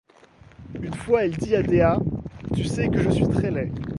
Une fois il dit à Dea: — Tu sais que je suis très laid.